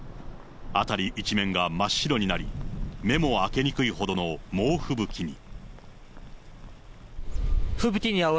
辺り一面が真っ白になり、目も明けにくいほどの猛吹雪に。